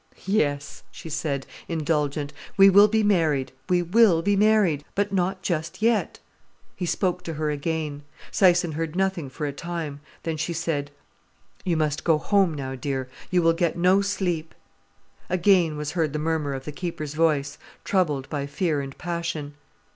"Yes," she said, indulgent. "We will be married, we will be married. But not just yet." He spoke to her again. Syson heard nothing for a time. Then she said: "You must go home, now, dear—you will get no sleep." Again was heard the murmur of the keeper's voice, troubled by fear and passion.